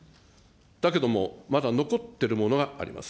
だけども、まだ残ってるものがあります。